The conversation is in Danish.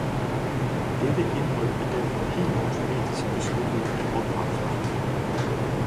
dette indhold er derfor helt automatisk beskyttet af ophavsretten.